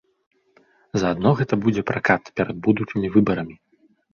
Заадно гэта будзе пракат перад будучымі выбарамі.